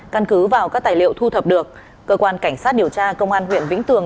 căn cứ vào các tài liệu thu thập được cơ quan cảnh sát điều tra công an huyện vĩnh tường